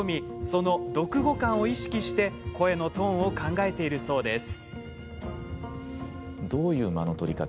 その読後感を意識して声のトーンを考えているそうです。